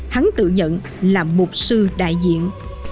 hắn tự nhận là mục sư đại diện